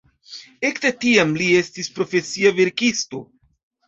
Ekde tiam li estis profesia verkisto.